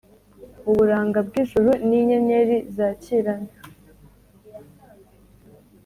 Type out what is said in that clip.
Uburanga bw’ijuru, ni inyenyeri zakirana,